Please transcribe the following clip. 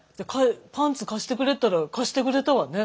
パンツ貸してくれったら貸してくれたわね。